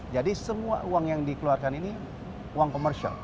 jadi semua uang yang dikeluarkan ini uang komersial